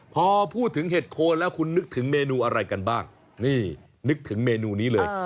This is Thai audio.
พอพูดถึงเห็ดโคนแล้วคุณนึกถึงเมนูอะไรกันบ้างนี่นึกถึงเมนูนี้เลย